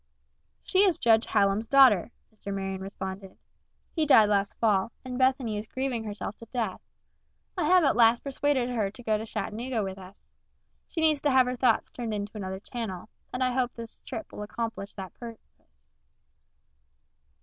"She is Judge Hallam's daughter," Mr. Marion responded. "He died last fall, and Bethany is grieving herself to death. I have at last persuaded her to go to Chattanooga with us. She needs to have her thoughts turned into another channel, and I hope this trip will accomplish that purpose."